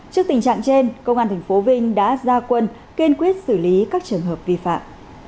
trước tình trạng trên công an tp vinh đã ra quân kiên quyết xử lý các trường hợp vi phạm